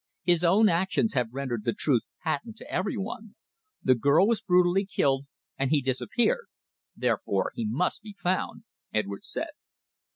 His own actions have rendered the truth patent to every one. The girl was brutally killed, and he disappeared. Therefore he must be found," Edwards said.